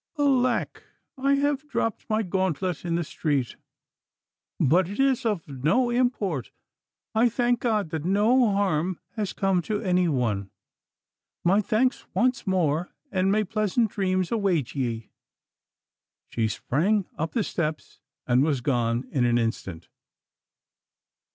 Alack! I have dropped my gauntlet in the street. But it is of no import. I thank God that no harm has come to any one. My thanks once more, and may pleasant dreams await ye.' She sprang up the steps and was gone in an instant.